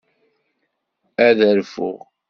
Ad rfuɣ.